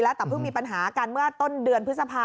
แล้วแต่เพิ่งมีปัญหากันเมื่อต้นเดือนพฤษภา